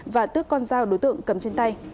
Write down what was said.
và tước con dao đối tượng cầm trên tay